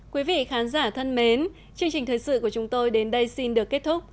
quý vị khán giả thân mến chương trình thời sự của chúng tôi đến đây xin được kết thúc